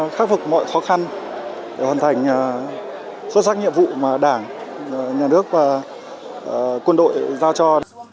khắc phục mọi khó khăn để hoàn thành xuất sắc nhiệm vụ mà đảng nhà nước và quân đội giao cho